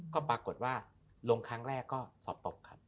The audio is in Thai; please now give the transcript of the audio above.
ก็ปรากฏว่าลงครั้งแรกก็สอบตกครับ